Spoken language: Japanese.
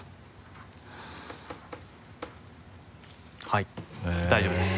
はい大丈夫です。